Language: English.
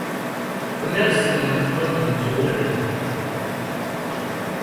Cornelissen was born in Zwolle.